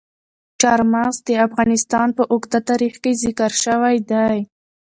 چار مغز د افغانستان په اوږده تاریخ کې ذکر شوی دی.